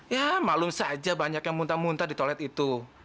ya malu saja banyak yang muntah muntah di toilet itu